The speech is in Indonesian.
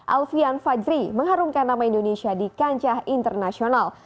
alfian fajri mengharumkan nama indonesia di kancah internasional